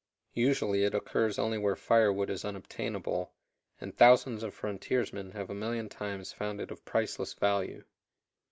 Usually it occurs only where fire wood is unobtainable, and thousands of frontiersmen have a million times found it of priceless value.